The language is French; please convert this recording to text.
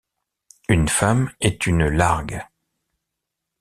Une femme est une largue.